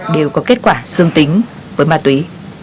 đều có kết quả xương tính với ma túy